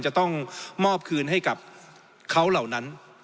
จะต้องมอบคืนให้กับเขาเหล่านั้น